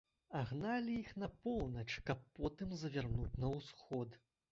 А гналі іх па поўнач, каб потым завярнуць на ўсход.